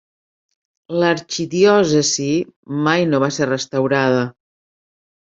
L'arxidiòcesi mai no va ser restaurada.